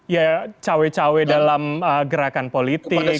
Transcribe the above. ya cawe cawe dalam gerakan politik